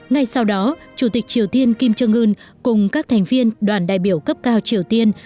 ngay sau đó chủ tịch triều tiên kim trương ươn cùng các thành viên đoàn đại biểu cấp cao triều tiên